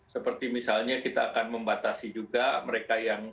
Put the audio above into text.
seperti misalnya kita akan membatasi juga mereka yang